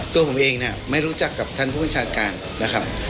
ตัวผมเองเนี่ยไม่รู้จักกับท่านผู้บัญชาการนะครับ